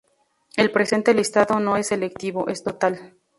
El presente listado no es selectivo, es total.